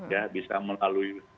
ya bisa melalui